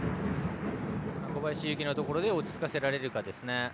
小林裕紀のところで落ち着かせられるかですね。